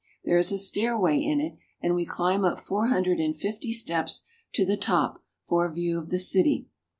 There is a stairway in it, and we climb up 348 RUSSIA. four hundred and fifty steps to the top, for a view of the city.